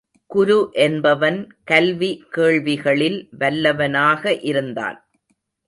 குரு என்பவன் கல்வி கேள்விகளில் வல்லவனாக இருந்தான்.